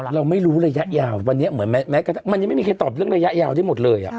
เราไม่รู้ระยะยาววันนี้มันยังไม่มีใครตอบเรื่องระยะยาวที่หมดเลย